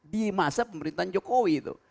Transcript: di masa pemerintahan jokowi itu